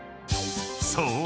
［そう。